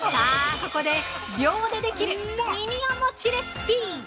ここで、秒でできるミニお餅レシピ。